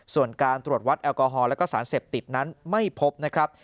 ส่วนการตรวจวัดแอลกอฮอลแล้วก็สารเสพติดนั้นไม่พบนะครับ